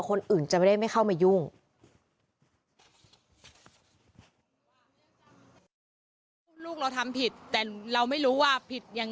คนอื่นจะไม่ได้ไม่เข้ามายุ่ง